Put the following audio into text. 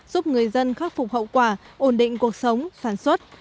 giúp người dân khắc phục hậu quả ổn định cuộc sống sản xuất